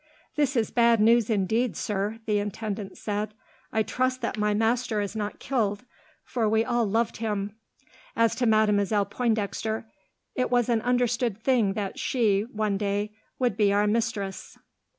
"This is bad news indeed, sir," the intendant said. "I trust that my master is not killed, for we all loved him. As to Mademoiselle Pointdexter, it was an understood thing that she, one day, would be our mistress.